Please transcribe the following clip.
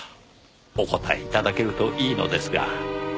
お答え頂けるといいのですが。